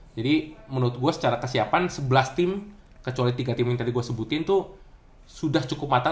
jadi menurut gue secara kesiapan sebelas tim kecuali tiga tim yang tadi gue sebutin tuh sudah cukup matang